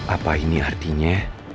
apa ini artinya